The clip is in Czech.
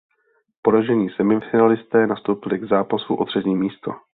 Poražení semifinalisté nastoupili k zápasu o třetí místo.